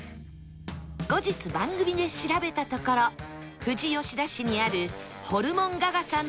後日番組で調べたところ富士吉田市にあるほるもん